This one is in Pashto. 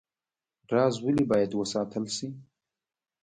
راز ولې باید وساتل شي؟